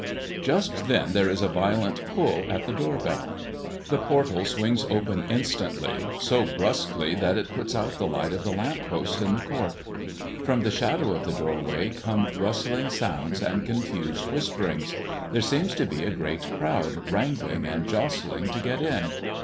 Just then there is a violent pull at the door bell. The portal swings open instantly, so brusquely that it puts out the light of the lamp post in the court. From the shadow of the doorway come rustling sounds and confused whisperings. There seems to be a great crowd wrangling and jostling to get in.